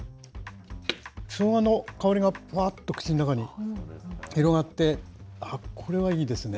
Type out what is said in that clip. しょうがの香りがふわーっと口の中に広がって、あっ、これはいいですね。